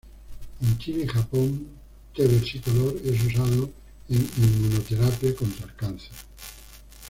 En China y Japón "T. versicolor" es usado en inmunoterapia contra el cáncer.